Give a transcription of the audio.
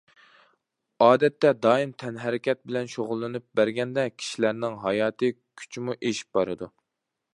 ئادەتتە دائىم تەنھەرىكەت بىلەن شۇغۇللىنىپ بەرگەندە، كىشىلەرنىڭ ھاياتىي كۈچىمۇ ئېشىپ بارىدۇ.